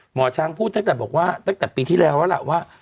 หมอช้างพูดตั้งแต่ปีที่แล้วว่า